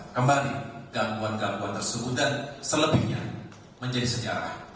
kembali gangguan gangguan tersebut dan selebihnya menjadi sejarah